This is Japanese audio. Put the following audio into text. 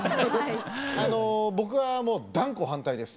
僕はもう断固反対です！